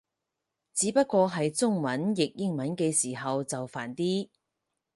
只不過係中文譯英文嘅時候就煩啲